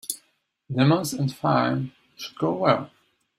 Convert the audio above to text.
Lemons and thyme should go well.